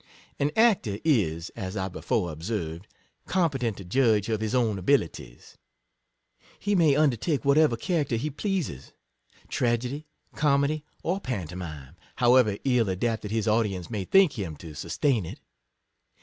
An actor is, as I before observed, compe tent to judge of his own abilities; he may undertake whatever character he pleases, tragedy, comedy, or pantomime, however ill adapted his audience may think him to sus tain it.